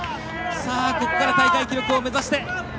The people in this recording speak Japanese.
ここから大会記録を目指して。